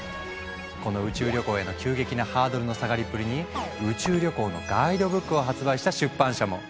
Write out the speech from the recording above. この宇宙旅行への急激なハードルの下がりっぷりに宇宙旅行のガイドブックを発売した出版社も！